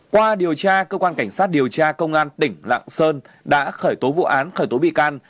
qua điều tra cơ quan cảnh sát điều tra công an tỉnh lạng sơn đã khởi tố vụ án khởi tố bị can